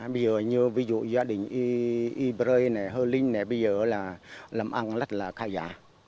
bây giờ như ví dụ gia đình ybrey này hơ linh này bây giờ là làm ăn rất là khá giả